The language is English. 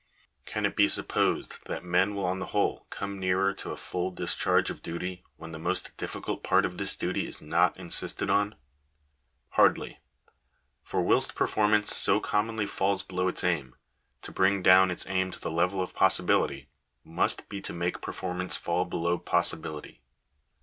Can it be supposed that men will on the whole come nearer to a full dis charge of duty when the most difficult part of this duty is not insisted on ? Hardly: for whilst performance so commonly falls below its aim, to bring down its aim to the level of possibility, must be to make performance fall below possibility.